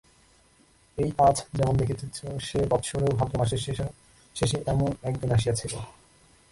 এই আজ যেমন দেখিতেছ, সে বৎসরেও ভাদ্র মাসের শেষাশেষি এমন একদিন আসিয়াছিল।